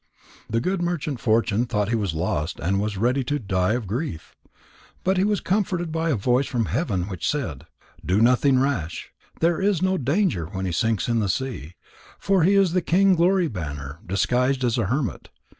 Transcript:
The good merchant Fortune thought he was lost and was ready to die of grief. But he was comforted by a voice from heaven which said: "Do nothing rash. There is no danger when he sinks in the sea. For he is the king Glory banner, disguised as a hermit.